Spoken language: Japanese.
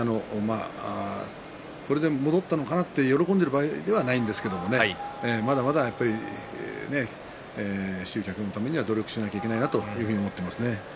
これで戻ったのかなと喜んでいる場合ではないんですけれどまだまだ集客のためには努力しなければいけないなと思っています。